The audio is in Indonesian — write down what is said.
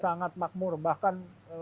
sangat makmur bahkan